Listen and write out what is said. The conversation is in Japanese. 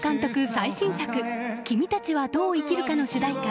最新作「君たちはどう生きるか」の主題歌